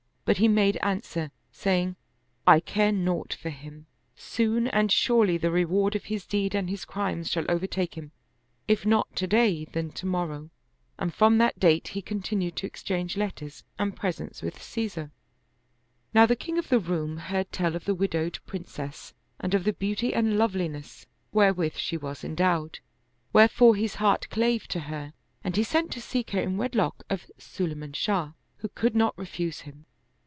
But he made answer, saying, " I care naught for him : soon and surely the reward of his deed and his crimes shall overtake him, if not to day, then to morrow." And from that date he continued to exchange letters and presents with Caesar. Now the king of the Roum heard tell of the widowed Princess and of the beauty and loveliness wherewith she was endowed, wherefore his heart clave to her and he sent to seek her in wedlock of Sulayman Shah, who could not refuse him.